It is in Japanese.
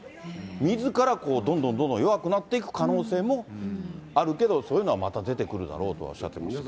みずからどんどんどんどん弱くなっていく可能性もあるけど、そういうのは、また出てくるだろうとおっしゃってましたけど。